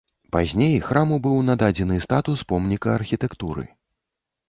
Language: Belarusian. Пазней храму быў нададзены статус помніка архітэктуры.